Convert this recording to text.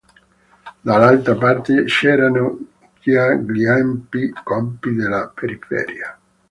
Dall'altra parte c'erano già gli ampi campi della periferia.